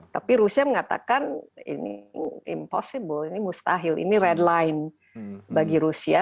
tapi rusia mengatakan ini tidak mungkin ini mustahil ini red line bagi rusia